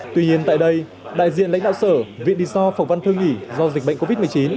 tuy nhiên tại đây đại diện lãnh đạo sở viện lý do phòng văn thư nghỉ do dịch bệnh covid một mươi chín